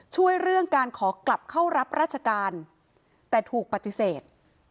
ช่วยเรื่องการขอกลับเข้ารับราชการแต่ถูกปฏิเสธ